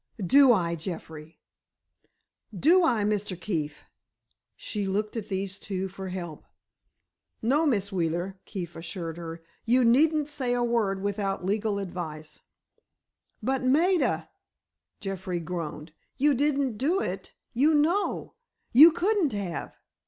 Do I, Jeffrey? Do I, Mr. Keefe?" She looked at these two for help. "No, Miss Wheeler," Keefe assured her, "you needn't say a word without legal advice." "But, Maida," Jeffrey groaned, "you didn't do it—you know! You couldn't have!"